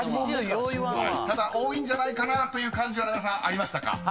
［ただ多いんじゃないかなという感じは名倉さんありましたか］